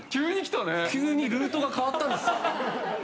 急にルートが変わったんです。